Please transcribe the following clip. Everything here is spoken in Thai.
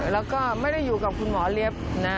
แล้วก็ไม่ได้อยู่กับคุณหมอเล็บนะ